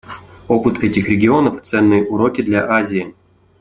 Опыт этих регионов — ценные уроки для Азии.